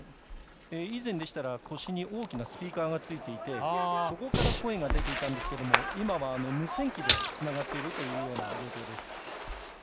以前でしたら腰に大きなスピーカーがついていて、そこから声が出ていたんですが今は、無線機でつながっている状況です。